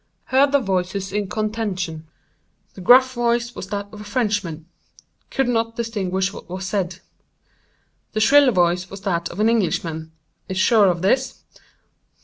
Heard the voices in contention. The gruff voice was that of a Frenchman. Could not distinguish what was said. The shrill voice was that of an Englishman—is sure of this.